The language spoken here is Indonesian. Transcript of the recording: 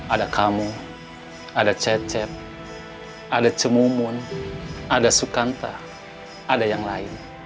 ada kamu ada cecep ada cemumun ada sukanta ada yang lain